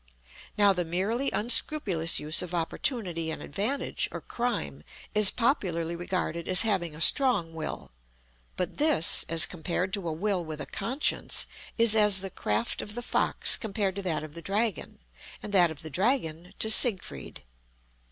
Now the merely unscrupulous use of Opportunity and Advantage, or Crime, is popularly regarded as having a strong Will; but this, as compared to a Will with a conscience, is as the craft of the fox compared to that of the dragon, and that of the dragon to Siegfried.